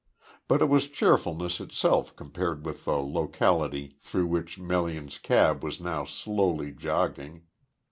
But it was cheerfulness itself compared with the locality through which Melian's cab was now slowly jogging.